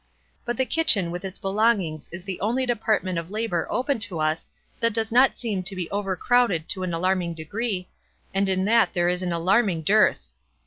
But the kitchen with its belongings is the only department of labor open to us, that does not seem to be overcrowded to an alarming degree, and in that there is an alarming dearth.